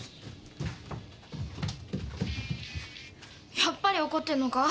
やっぱり怒ってんのか？